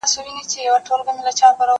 زه اوږده وخت مينه څرګندوم وم!؟